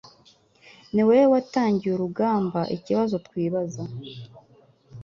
Niwowe watangiye urugamba ikibazo twibaza